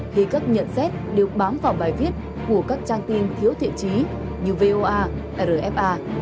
khi các nhận xét đều bám vào bài viết của các trang tin thiếu thiện trí như voa rfa